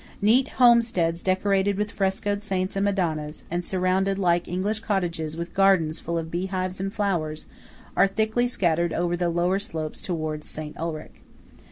Neat homesteads decorated with frescoed Saints and Madonnas, and surrounded like English cottages with gardens full of bee hives and flowers, are thickly scattered over the lower slopes towards St. Ulrich.